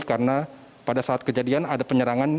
karena pada saat kejadian ada penyerangan